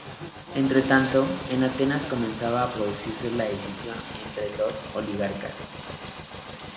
Entretanto, en Atenas comenzaba a producirse la escisión entre los oligarcas.